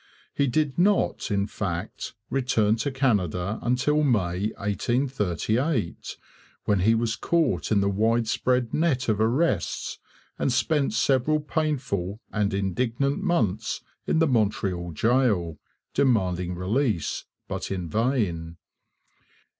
He did not, in fact, return to Canada until May 1838, when he was caught in the widespread net of arrests and spent several painful and indignant months in the Montreal jail, demanding release, but in vain.